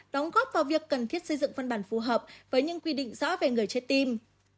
đóng góp vào việc cần thiết xây dựng văn bản phù hợp với những quy định rõ về người chết tim